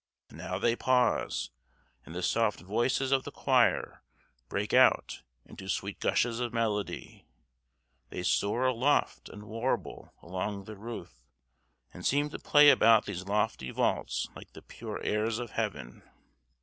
And now they pause, and the soft voices of the choir break out into sweet gushes of melody; they soar aloft and warble along the roof, and seem to play about these lofty vaults like the pure airs of heaven.